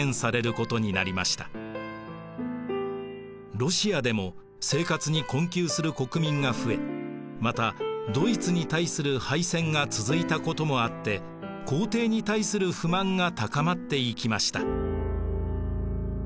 ロシアでも生活に困窮する国民が増えまたドイツに対する敗戦が続いたこともあって皇帝に対する不満が高まっていきました。